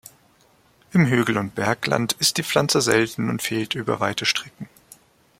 Im Hügel- und Bergland ist die Pflanze selten und fehlt über weite Strecken.